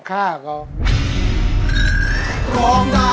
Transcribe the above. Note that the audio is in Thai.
ข้าก็